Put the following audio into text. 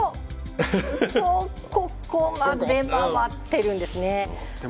ここまで回ってるんですね。